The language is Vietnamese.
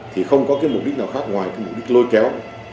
thì không có mục đích nào khác ngoài mục đích lôi kéo